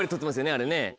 あれね。